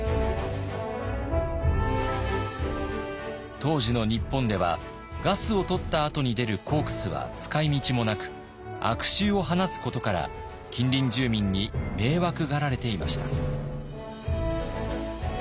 当時の日本ではガスを採ったあとに出るコークスは使いみちもなく悪臭を放つことから近隣住民に迷惑がられていました。